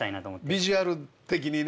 ビジュアル的にね。